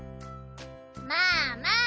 まあまあ。